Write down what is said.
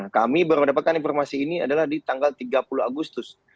kami baru mendapatkan informasi ini adalah di tanggal tiga puluh agustus